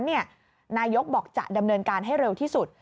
นายกบอกจะดำเนินการให้เร็วที่สุด